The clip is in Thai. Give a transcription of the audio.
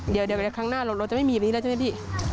เดี๋ยวเดี๋ยวไปในครั้งหน้าเราจะไม่มีแบบนี้แล้วใช่ไหมพี่